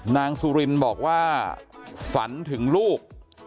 นางสุรินบอกว่าฝันถึงลูก